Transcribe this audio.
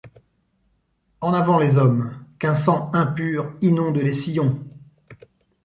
En avant les hommes ! qu’un sang impur inonde les sillons !